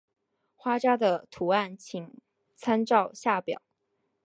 花札的图案请参照下表。